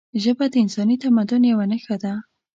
ژبه د انساني تمدن یوه نښه ده